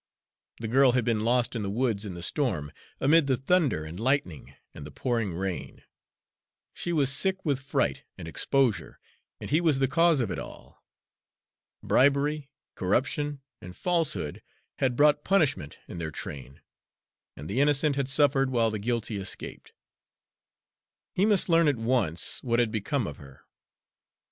The girl had been lost in the woods in the storm, amid the thunder and lightning and the pouring rain. She was sick with fright and exposure, and he was the cause of it all. Bribery, corruption, and falsehood had brought punishment in their train, and the innocent had suffered while the guilty escaped. He must learn at once what had become of her.